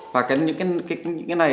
và những cái này